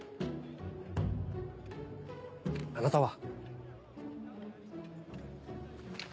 あなたは？